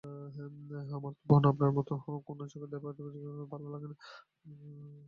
আমার বোন আপনার মত কোণা চোখে দেখে যেটা আমার ভালো লাগে না।